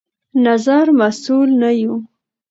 نظر مسوول نه يو